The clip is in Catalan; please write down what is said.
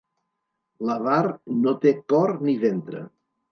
L'avar no té cor ni ventre.